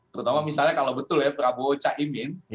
terutama misalnya kalau betul ya prabowo caimin